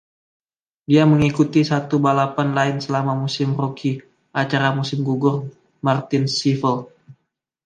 Dia mengikuti satu balapan lain selama musim rookie, acara musim gugur Martinsville.